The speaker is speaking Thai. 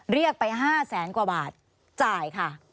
เรียกไป๕แสนกว่าบาทจ่ายค่ะ